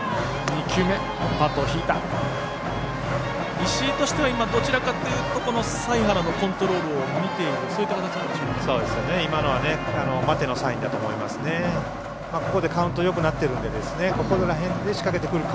石井としては、どちらかというと財原のコントロールを見ているそういった形なんでしょうか。